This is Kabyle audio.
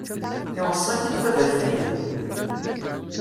Iweṣṣa-k-id baba-k fell-i?